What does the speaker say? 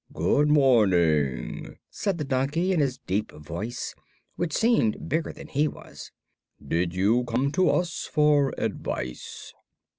"Good morning," said the donkey, in his deep voice, which seemed bigger than he was. "Did you come to us for advice?"